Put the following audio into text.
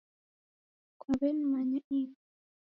Kwaw'enimanya ini?